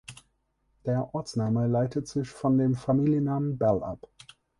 Der Ortsname leitet sich von dem Familiennamen Bell ab.